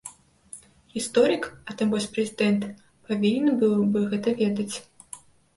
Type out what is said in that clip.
Гісторык, а тым больш прэзідэнт павінен быў бы гэта ведаць.